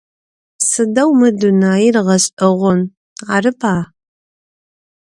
Сыдэу мы дунаир гъэшӏэгъон, арыба?